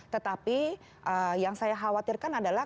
tetapi yang saya khawatirkan adalah